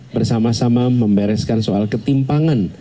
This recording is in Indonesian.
bersama sama membereskan soal ketimpangan